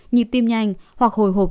nhịp tim nhanh hoặc hồi hộp